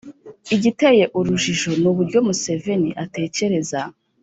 igiteye urujijo ni uburyo museveni atekereza